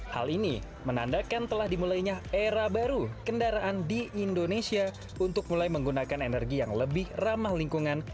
hal ini menandakan telah dimulainya era baru kendaraan di indonesia untuk mulai menggunakan energi yang lebih ramah lingkungan